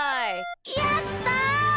やった！